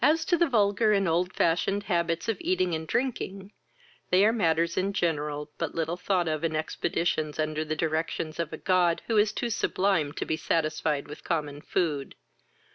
As to the vulgar and old fashioned habits of eating and drinking, they are matters in general but little thought of in expeditions under the directions of a god who is too sublime to be satisfied with common food.